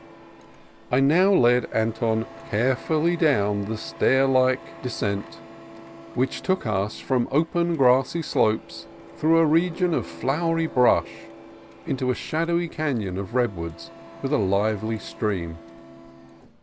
I now led Anton carefully down the stair like de 200 CALIFORNIA COAST TRAILS scent, which took us from open grassy slopes, through a region of flowery brush, into a shadowy canon of redwoods with a lively stream.